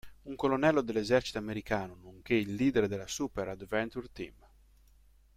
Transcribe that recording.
Un colonnello dell'esercito americano nonché il leader della Super Adventure Team.